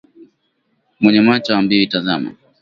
Mwenye macho haambiwi tazama